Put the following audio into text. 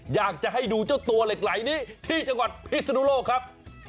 อยากจะให้ดูเจ้าตัวเหล็กไหลนี้ที่จังหวัดพิศนุโลกครับ